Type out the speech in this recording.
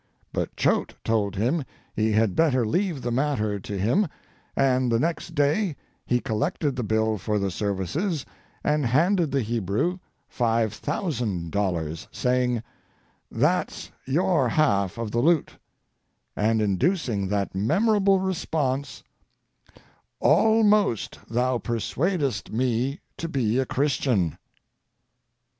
But Choate told him he had better leave the matter to him, and the next day he collected the bill for the services and handed the Hebrew $5000, saying, "That's your half of the loot," and inducing that memorable response: "Almost thou persuadest me to be a Christian."